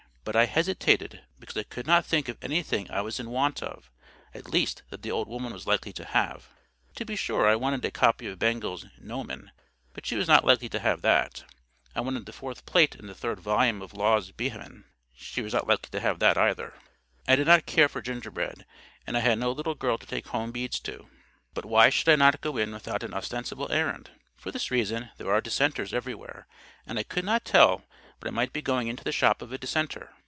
But I hesitated, because I could not think of anything I was in want of—at least that the old woman was likely to have. To be sure I wanted a copy of Bengel's "Gnomon;" but she was not likely to have that. I wanted the fourth plate in the third volume of Law's "Behmen;" she was not likely to have that either. I did not care for gingerbread; and I had no little girl to take home beads to. But why should I not go in without an ostensible errand? For this reason: there are dissenters everywhere, and I could not tell but I might be going into the shop of a dissenter.